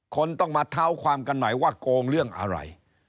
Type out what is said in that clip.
คนต้องมาเท้าความกันใหม่ว่าโกงเรื่องอะไร